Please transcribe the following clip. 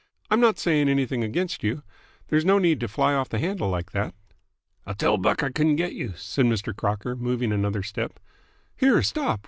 "I'm not saying anything against you. There's no need to fly off the handle like that." "I'll tell Buck I couldn't get you," said Mr. Crocker, moving another step. "Here, stop!